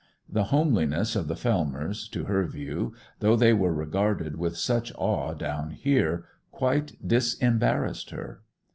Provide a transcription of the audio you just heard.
The homeliness of the Fellmers, to her view, though they were regarded with such awe down here, quite disembarrassed her.